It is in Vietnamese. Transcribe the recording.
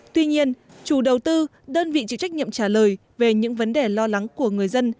tuy nhiên chủ đầu tư đơn vị chịu trách nhiệm trả lời về những vấn đề lo lắng của người dân